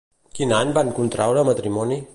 Quin any van contraure matrimoni?